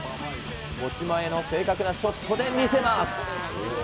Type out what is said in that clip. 持ち前の正確なショットで見せます。